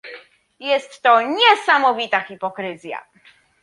Jest to niesamowita hipokryzja